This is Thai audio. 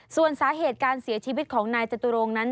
ส่วนสาเหตุการเสียชีวิตของนายจตุรงนั้น